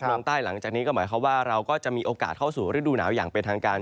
ลงใต้หลังจากนี้ก็หมายความว่าเราก็จะมีโอกาสเข้าสู่ฤดูหนาวอย่างเป็นทางการ